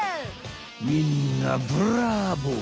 みんなブラボー！